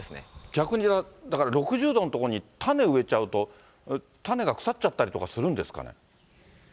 逆にだから、６０度の所に種を植えちゃうと、種が腐っちゃったりとかするんですかね。